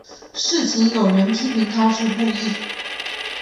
事件有人批评她是故意。